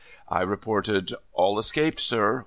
I reported, ' All escaped, sir